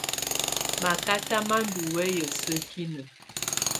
Makata má ndù wɛyà sǝ́kinǝ.